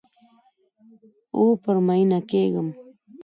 او پر میینه کیږم